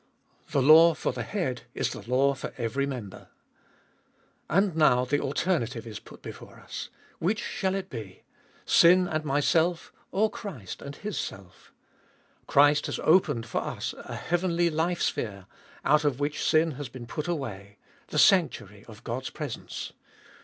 The law for the Head is the law for every member. And now the alternative is put before us : Which shall it be ? Sin and myself or Christ and His Self. Christ has opened for us a heavenly life sphere, out of which sin has been put away — the sanctuary of God's presence.